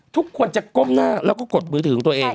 ทุกคนจะก้มหน้าก็กดมือถือตัวเอง